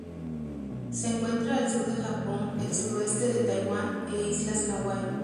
Se encuentra al sur del Japón el suroeste de Taiwán e Islas Hawaii.